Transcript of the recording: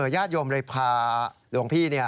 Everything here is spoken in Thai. ญาติโยมเลยพาหลวงพี่